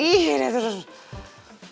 ih ini tuh